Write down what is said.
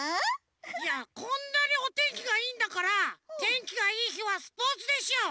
いやこんなにおてんきがいいんだからてんきがいいひはスポーツでしょ！